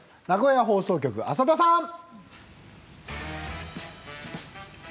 名古屋放送局の浅田さん。